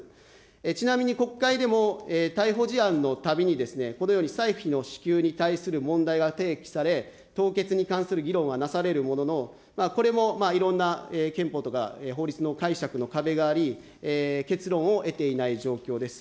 ちなみに国会でも、逮捕事案のたびに、このように歳費の支給に対する問題が提起され、凍結に関する議論はなされるものの、これもいろんな憲法とか、法律の解釈の壁があり、結論を得ていない状況です。